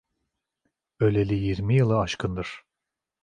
Öleli yirmi yılı aşkındır.